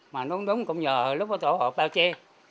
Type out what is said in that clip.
mà đúng cũng nhờ lúc đó tổ hộp bao che